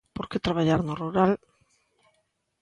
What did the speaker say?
Por que traballar no rural?